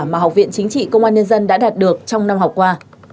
mà học viện chính trị công an nhân dân đã đạt được trong năm học qua